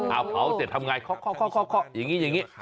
เอาเผาเสร็จทำอย่างไรคอกอย่างนี่